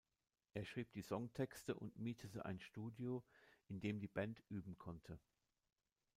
Er schrieb die Songtexte und mietete ein Studio, in dem die Band üben konnte.